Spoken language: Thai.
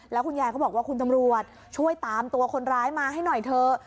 แล้วคุณยายก็บอกว่าคุณตำรวจช่วยตามตัวคนร้ายมาให้หน่อยเถอะ